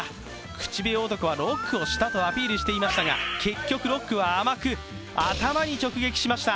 口笛男はロックをしたとアピールしていましたが、結局、ロックは甘く頭に直撃しました。